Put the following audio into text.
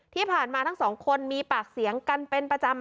ที่ผ่านมาทั้งสองคนมีปากเสียงกันเป็นประจำ